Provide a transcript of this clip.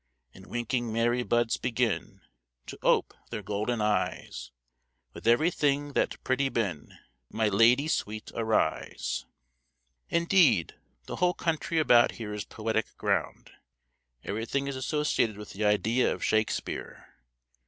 And winking mary buds begin To ope their golden eyes; With every thing that pretty bin, My lady sweet arise! Indeed, the whole country about here is poetic ground: everything is associated with the idea of Shakespeare.